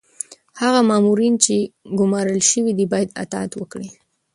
هغه مامورین چي ګمارل شوي دي باید اطاعت وکړي.